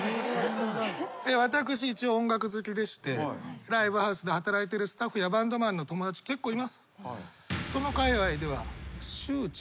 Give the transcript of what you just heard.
私一応音楽好きでしてライブハウスで働いてるスタッフやバンドマンの友達結構います。